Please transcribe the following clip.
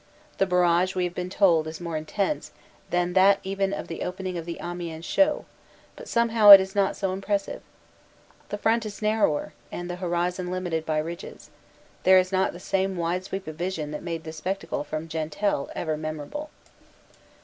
The barrage we have been told is more intense than that even of the opening of the Amiens show, but somehow it is not so impressive. The front is narrower, and the horizon limited by ridges ; there is not the same wide sweep of vision that made the spectacle from Gentelles ever memorable.